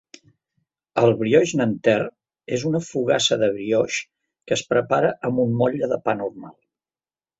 El "brioix Nanterre" és una fogassa de brioix que es prepara amb un motlle de pa normal.